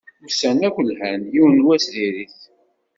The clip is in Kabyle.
Ussan akk lhan, yiwen n wass dir-it.